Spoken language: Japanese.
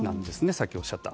さっきおっしゃった。